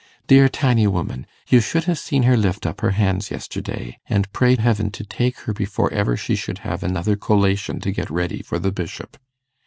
Dear tiny woman! You should have seen her lift up her hands yesterday, and pray heaven to take her before ever she should have another collation to get ready for the Bishop.